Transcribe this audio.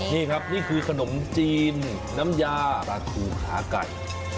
นี่ครับนี่คือขนมจีนน้ำยาปลาทูขาไก่